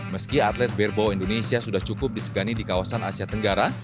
meski atlet barebow indonesia sudah cukup disegani di kawasan asia tenggara